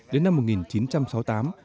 đến năm một nghìn chín trăm sáu mươi sáu